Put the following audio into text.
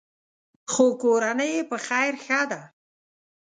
خو کورنۍ یې په خیر ښه ده.